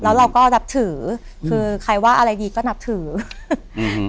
แล้วเราก็นับถือคือใครว่าอะไรดีก็นับถืออืม